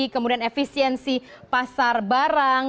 kemudian efisiensi pasar barang